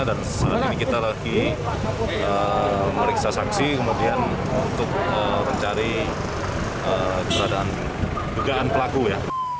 dan saat ini kita lagi meriksa saksi kemudian untuk mencari peradaan dugaan pelaku ya